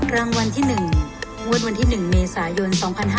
รางวัลที่๑งวดวันที่๑เมษายน๒๕๕๙